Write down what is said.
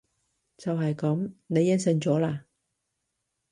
就係噉！你應承咗喇！